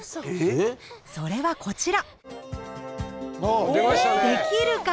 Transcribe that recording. それはこちら。